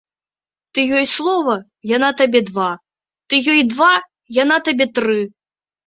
Ты ёй слова, яна табе два, ты ёй два, яна табе тры.